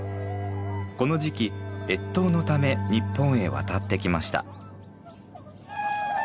この時期越冬のため日本へ渡ってきました。